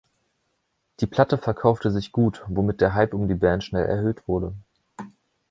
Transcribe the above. Die Platte verkaufte sich gut, womit der Hype um die Band schnell erhöht wurde.